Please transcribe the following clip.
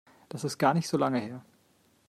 Das ist gar nicht so lange her.